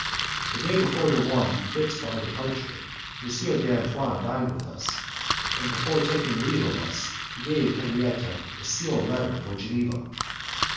The day before the one fixed for our departure, M. d'Antoine dined with us, and, before taking leave of us, he gave Henriette a sealed letter for Geneva.